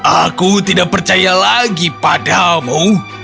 aku tidak percaya lagi padamu